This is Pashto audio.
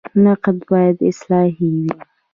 نقد باید اصلاحي وي